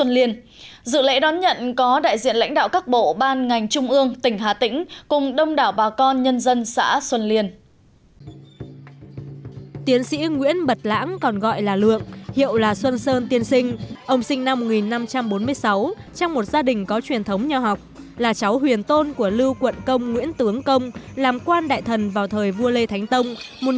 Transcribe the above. là cháu huyền tôn của lưu quận công nguyễn tướng công làm quan đại thần vào thời vua lê thánh tông một nghìn bốn trăm sáu mươi một nghìn bốn trăm chín mươi bảy